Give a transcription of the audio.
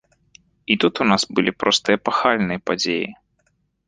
І тут у нас былі проста эпахальныя падзеі.